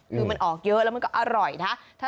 คือมันออกเยอะแล้วมันก็อร่อยนะ